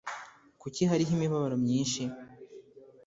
kuki hariho imibabaro myinshi